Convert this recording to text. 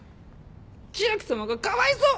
千秋さまがかわいそう！